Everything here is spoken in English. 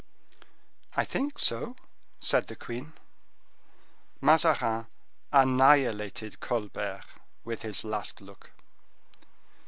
"I think so," said queen. Mazarin annihilated Colbert with his last look.